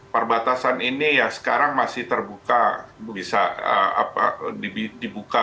perbatasan ini ya sekarang masih terbuka bisa dibuka